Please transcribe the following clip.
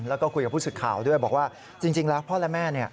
และก็คุยกับพุทธข่าวด้วยบอกว่าจริงแล้วพ่อและแม่